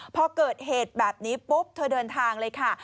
พอเกิดเหตุแบบนี้ปุ๊บเธอเดินทางเลยค่ะ